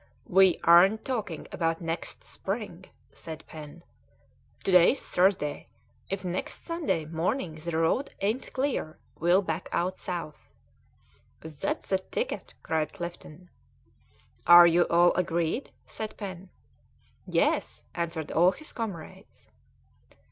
"We aren't talking about next spring," said Pen; "to day's Thursday; if next Sunday morning the road ain't clear, we'll back out south." "That's the ticket!" cried Clifton. "Are you all agreed?" said Pen. "Yes," answered all his comrades.